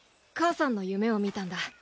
母さんの夢を見たんだ。